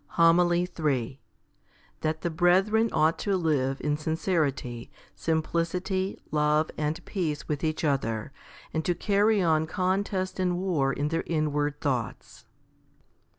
HOMILY III That the brethren ought to live in sincerity, simplicity, love, and peace with each other, and to carry on contest and war in their inward thoughts.